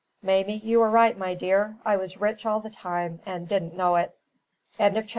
Mamie, you were right, my dear; I was rich all the time, and didn't know it." CHAPTER XIX.